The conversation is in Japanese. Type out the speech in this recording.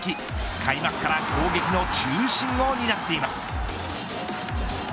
開幕から攻撃の中心を担っています。